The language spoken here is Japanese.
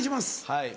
はい。